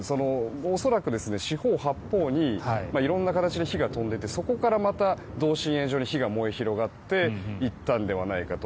恐らく、四方八方に色んな形で火が飛んでいて、そこからまた同心円状に火が燃え広がっていったのではないかと。